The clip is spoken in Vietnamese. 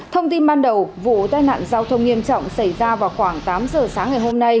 thông tin ban đầu vụ tai nạn giao thông nghiêm trọng xảy ra vào khoảng tám giờ sáng ngày hôm nay